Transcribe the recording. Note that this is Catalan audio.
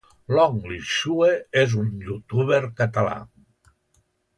Long Li Xue és un youtuber català.